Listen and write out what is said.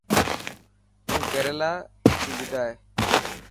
تون ڪيريلا تي ٻڌائي.